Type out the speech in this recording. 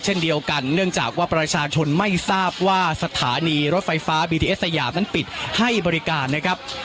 เช่นเดียวกันเนื่องจากว่าประชาชนไม่ทราบว่าสถานีรถไฟฟ้าบีทีเอสสยามนั้นปิดให้บริการนะครับ